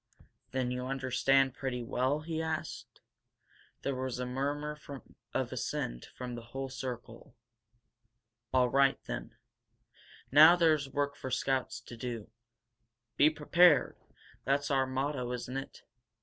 "Then you understand pretty well?" he asked. There was a murmur of assent from the whole circle. "All right, then," he said. "Now there's work for Scouts to do. Be prepared! That's our motto, isn't it?